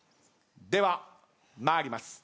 では参ります。